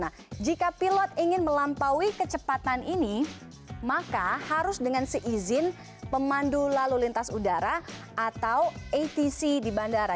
nah jika pilot ingin melampaui kecepatan ini maka harus dengan seizin pemandu lalu lintas udara atau atc di bandara